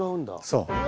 そう。